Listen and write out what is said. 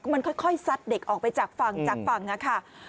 มันค่อยซัดเด็กออกไปจากฝั่งจากฝั่งค่ะ